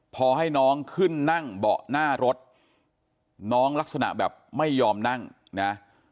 พอให้น้องขึ้นนั่งเบาะหน้ารถน้องลักษณะแบบไม่ยอมนั่งนะ